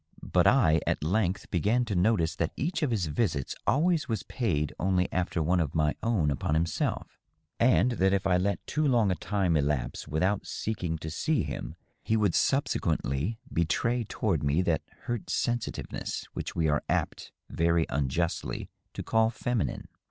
But I at length began to notice that each of his visits always was paid only after one of my own upon himself, and that if I let too long a time elapse without seeking to see him he would subsequently betray toward me that hurt sensitiveness which we are apt very unjustly to call feminine.